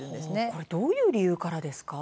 これ、どういう理由からですか？